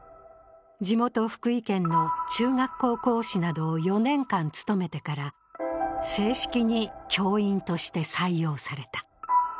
地元・福井県の中学校講師などを４年間務めてから正式に教員として採用された。